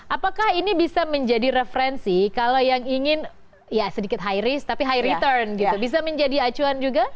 apakah ini bisa menjadi referensi kalau yang ingin ya sedikit high risk tapi high return gitu bisa menjadi acuan juga